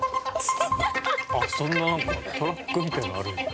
そんななんかトラックみたいなのある。